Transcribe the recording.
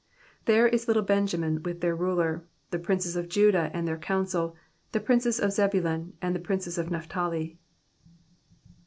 27 There is little Benjamin with their ruler, the princes of Judah and their council, the princes of Zebulun, and the princes of Naphtali.